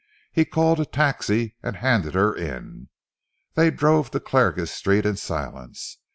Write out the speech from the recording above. He called a taxi and handed her in. They drove to Clarges Street in silence.